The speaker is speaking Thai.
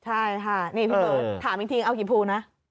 ใช่ค่ะนี่พี่เบิร์ตถามอีกทีเอากี่ภูนะ